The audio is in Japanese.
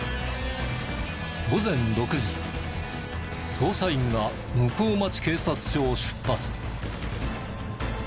捜査員が向日町警察署を出発。